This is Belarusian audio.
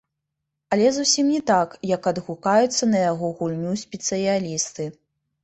Але зусім не так, як адгукаюцца на яго гульню спецыялісты.